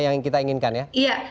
yang kita inginkan ya